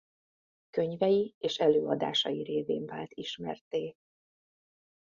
Könyvei és előadásai révén vált ismertté.